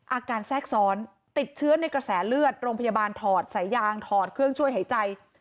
แทรกซ้อนติดเชื้อในกระแสเลือดโรงพยาบาลถอดสายยางถอดเครื่องช่วยหายใจ